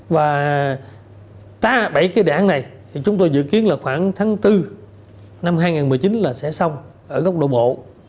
và bảy cái đảng này thì chúng tôi dự kiến là khoảng tháng bốn năm hai nghìn một mươi chín là sẽ xong ở góc độ bộ